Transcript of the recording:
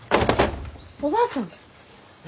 おばあさん？